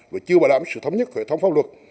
và chưa bảo đảm sự thống nhất của hệ thống pháp luật